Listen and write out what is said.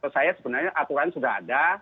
saya sebenarnya aturan sudah ada